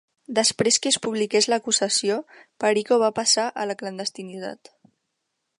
Després que es publiqués l'acusació, Perico va passar a la clandestinitat.